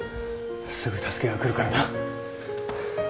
すぐ助けが来るからな